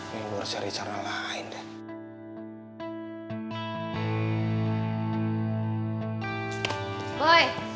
ini gue harus cari cara lain deh